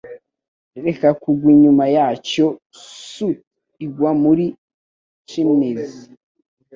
Reka kugwa inyuma yacyo soot igwa muri chimneys,